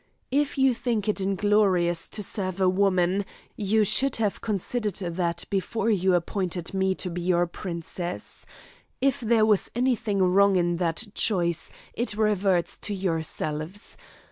If you think it inglorious to serve a woman, you should have considered that before you appointed me to be your princess. If there was any thing wrong in that choice, it reverts to yourselves.